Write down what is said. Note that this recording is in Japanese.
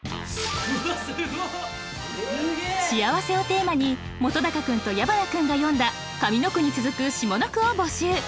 「幸せ」をテーマに本君と矢花君が詠んだ上の句に続く下の句を募集。